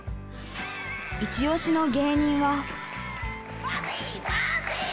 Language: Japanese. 一押しの芸人は？